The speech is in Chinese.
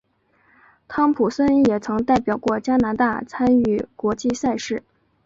汤普森也曾代表过加拿大参与国际赛事。